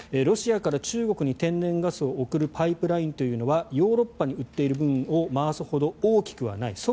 ロシアから中国に天然ガスを送るパイプラインというのはヨーロッパに売っている分を回すほど、大きくはない。